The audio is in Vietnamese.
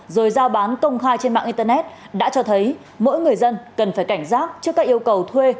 rồi giao bán công khai trên mạng internet đã cho thấy mỗi người dân cần phải cảnh giác trước các yêu cầu thuê